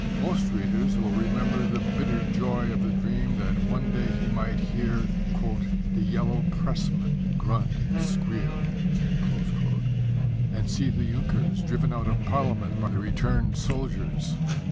Most readers will remember the bitter joy of the dream that one day he might hear "the yellow pressmen grunt and squeal," and see the Junkers driven out of Parliament by the returned soldiers.